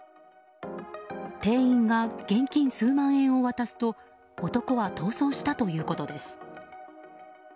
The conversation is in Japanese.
店員が現金数万円を渡すと男は逃走したということです。